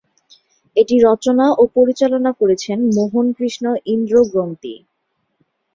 এটি রচনা ও পরিচালনা করেছেন মোহন কৃষ্ণ ইন্দ্রগ্রন্তী।